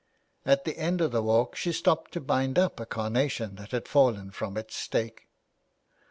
At the end of the walk she stopped to bind up a carnation that had fallen from its stake.